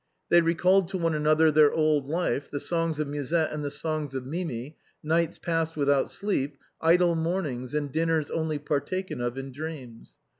They recalled to one another their old life, the songs of Musette and the songs of Mimi, nights passed without sleep, idle mornings, and dinners only partaken of in dreams.